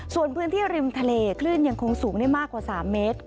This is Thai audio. ส่วนพื้นที่ริมทะเลคลื่นยังคงสูงได้มากกว่า๓เมตร